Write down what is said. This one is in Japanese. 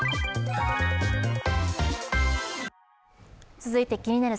続いて「気になる！